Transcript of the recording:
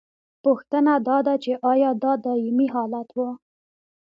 پوښتنه دا ده چې ایا دا دائمي حالت و؟